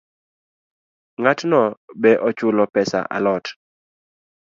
Ng’atno be ochulo pesa a lot?